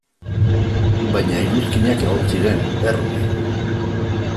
Baina iruzkinak egon ziren, erruz.